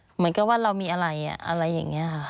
เหมือนกับว่าเรามีอะไรอะไรอย่างนี้ค่ะ